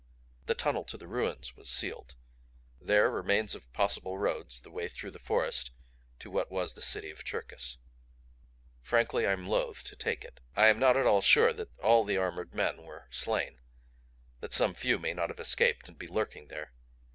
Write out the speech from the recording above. The tunnel to the ruins was sealed. There remains of possible roads the way through the forest to what was the City of Cherkis. Frankly I am loathe to take it. "I am not at all sure that all the armored men were slain that some few may not have escaped and be lurking there.